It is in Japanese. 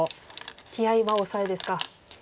気合いはオサエですか。